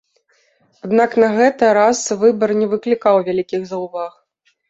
Аднак на гэта раз выбар не выклікаў вялікіх заўваг.